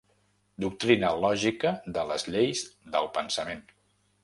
Doctrina lògica de les lleis del pensament.